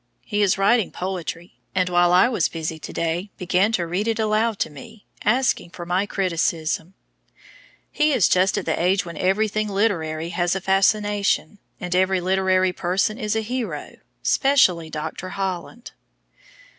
He is writing poetry, and while I was busy to day began to read it aloud to me, asking for my criticism. He is just at the age when everything literary has a fascination, and every literary person is a hero, specially Dr. Holland.